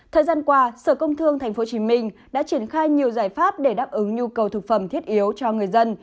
thời gian qua sở công thương tp hcm đã triển khai nhiều giải pháp để đáp ứng nhu cầu thực phẩm thiết yếu cho người dân